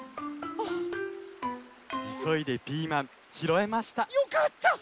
いそいでピーマンひろえました。よかった！